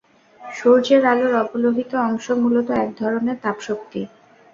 সূর্যের আলোর অবলোহিত অংশ মূলত এক ধরণের তাপ শক্তি।